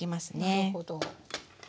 なるほど。